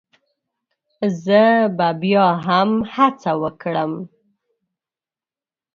زه به بيا هم هڅه وکړم